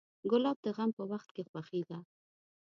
ګلاب د غم په وخت خوښي ده.